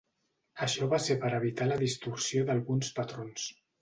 Això va ser per evitar la distorsió d'alguns patrons.